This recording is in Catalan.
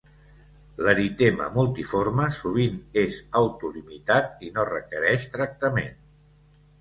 L'eritema multiforme sovint és autolimitat i no requereix tractament.